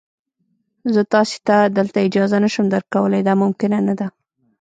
زه تاسي ته دلته اجازه نه شم درکولای، دا ممکنه نه ده.